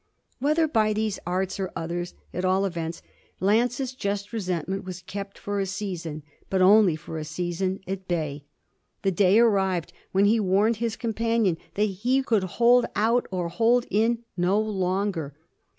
Whether by these arts or others, at all events, Lance's just resentment was kept for a season but only for a season at bay. The day arrived when he warned his companion that he could hold out or hold in no longer.